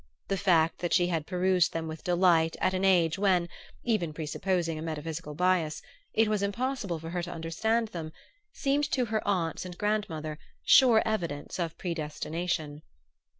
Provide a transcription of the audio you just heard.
The fact that she had perused them with delight at an age when (even presupposing a metaphysical bias) it was impossible for her to understand them, seemed to her aunts and grandmother sure evidence of predestination.